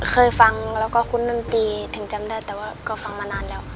เคยฟังแล้วก็คุ้นดนตรีถึงจำได้แต่ว่าก็ฟังมานานแล้ว